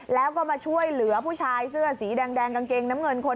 แล้วก็มาช่วยเหลือผู้ชายเสื้อสีแดงกางเกงน้ำเงินคน